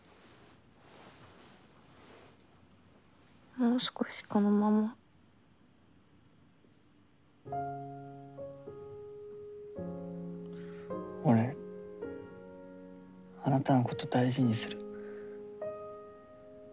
もう少しこのまま俺あなたのこと大事にする